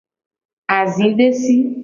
Azidesi.